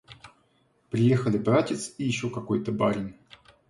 Приехали братец и еще какой-то барин.